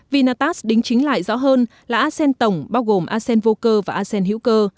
vinatax đính chính lại rõ hơn là arsen tổng bao gồm arsen vô cơ và arsen hữu cơ